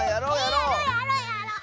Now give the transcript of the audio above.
えやろうやろうやろう！